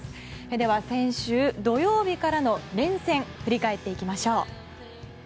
では先週土曜日からの連戦振り返っていきましょう。